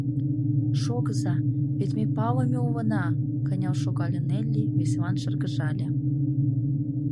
— Шогыза, вет ме палыме улына! — кынел шогале Нелли, веселан шыргыжале.